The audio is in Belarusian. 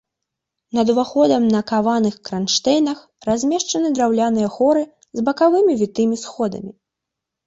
Над уваходам на каваных кранштэйнах размешчаны драўляныя хоры з бакавымі вітымі сходамі.